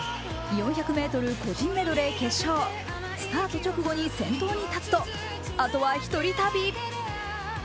４００ｍ個人メドレー決勝スタート直後に先頭に立つとあと一人旅。